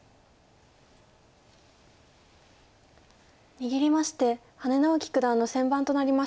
握りまして羽根直樹九段の先番となりました。